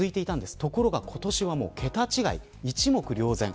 ところが今年は桁違い一目瞭然。